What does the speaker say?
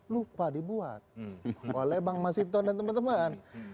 lupa dibuat oleh bang mas hinton dan teman teman